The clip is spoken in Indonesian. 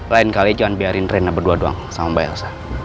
lain kali jangan biarin rena berdua doang sama mbak elsa